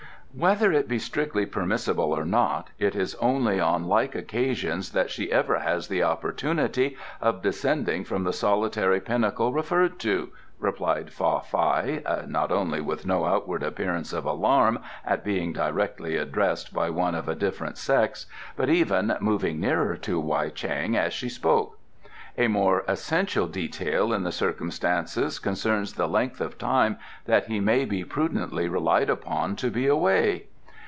"Whether it be strictly permissible or not, it is only on like occasions that she ever has the opportunity of descending from the solitary pinnacle referred to," replied Fa Fai, not only with no outward appearance of alarm at being directly addressed by one of a different sex, but even moving nearer to Wei Chang as she spoke. "A more essential detail in the circumstances concerns the length of time that he may be prudently relied upon to be away?"